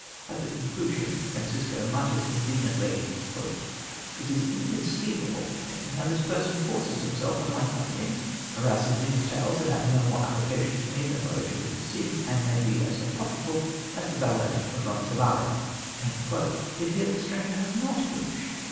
At the conclusion Francisco mutters indignantly: "It is inconceivable to me how this person forces himself on my company, harasses me with tales that have no more application to me than the legend of the Cid, and may be as apocryphal as the ballad of Roncesvalles " but yet the stranger has not finished.